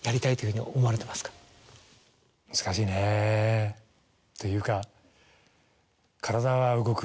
難しいね。というか。